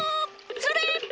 「それ！」